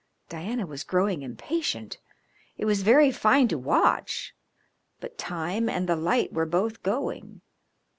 Diana was growing impatient. It was very fine to watch, but time and the light were both going.